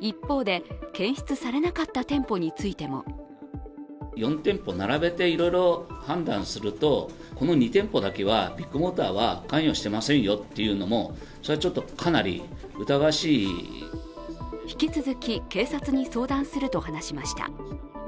一方で、検出されなかった店舗についても引き続き警察に相談すると話しました。